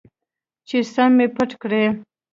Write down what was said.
چې سم مې پټ کړي.